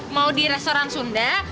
mau di restoran sunda